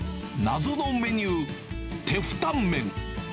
謎のメニュー、テフタンメン。